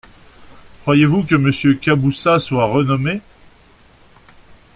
Croyez-vous que Monsieur Caboussat soit renommé ?